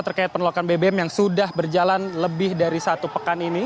terkait penolakan bbm yang sudah berjalan lebih dari satu pekan ini